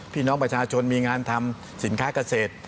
พี่น้องประชาชนมีงานทำสินค้าเกษตร